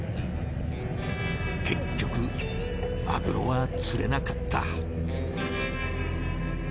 結局マグロは釣れなかった。